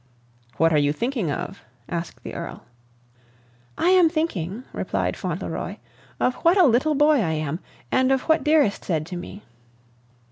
"What are you thinking of?" asked the Earl. "I am thinking," replied Fauntleroy, "what a little boy I am! and of what Dearest said to me."